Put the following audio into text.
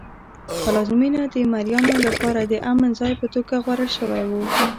پلازمېنه د مریانو لپاره د امن ځای په توګه غوره شوی و.